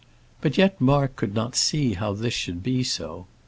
But yet Mark could not see how this should be so.